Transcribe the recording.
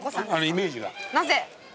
イメージが。